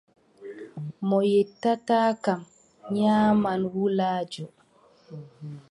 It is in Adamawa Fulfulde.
Mo yettataa kam, nyaaman wulaajo.